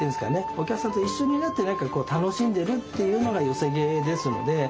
お客さんと一緒になって楽しんでるっていうのが寄席芸ですので。